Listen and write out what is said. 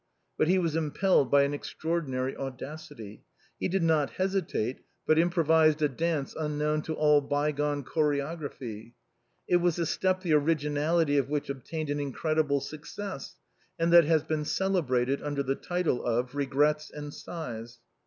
But he was impelled by an extraor dinary audacity. He did not hesitate, but improvised a dance unknown to all by gone chorography. It was a step the originality of which obtained an incredible success, and that has been celebrated under the title of " regrets and sighs."